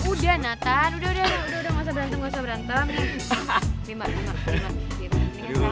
udah udah udah gak usah berantem gak usah berantem